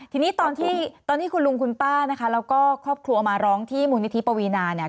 ทีนี้ตอนที่ตอนที่คุณลุงคุณป้านะคะแล้วก็ครอบครัวมาร้องที่มูลนิธิปวีนาเนี่ย